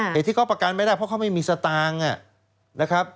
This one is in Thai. เหตุที่เขาประกันไม่ได้เพราะเขาไม่มีสตางค์นะครับ